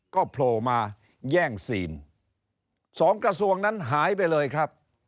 ก็โผล่มาแย่งซีนสองกระทรวงนั้นหายไปเลยครับ